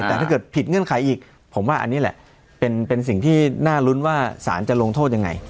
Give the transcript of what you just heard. แต่ถ้าเกิดผิดเงื่อนไขอีกผมว่าอันนี้แหละเป็นสิ่งที่น่ารุ้นว่าสารจะลงโทษยังไง